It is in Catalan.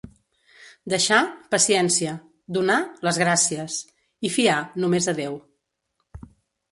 Deixar? Paciència. Donar? Les gràcies. I fiar? Només a Déu.